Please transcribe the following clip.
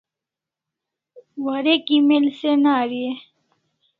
Warek email send Ari e?